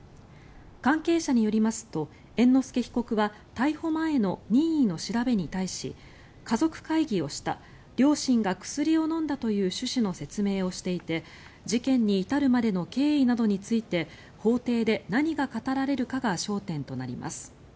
関係者によりますと猿之助被告は逮捕前の任意の調べに対し家族会議をした両親が薬を飲んだという趣旨の説明をしていて事件に至るまでの経緯などについて法廷で何が語られるかが焦点となります。